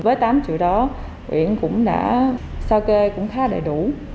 với tám triệu đó quyện cũng đã sao kê cũng khá đầy đủ